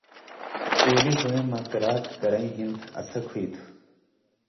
اُولی ہویں مہ قِرات کرَیں ہِن اڅھک ہُوئ تھُو۔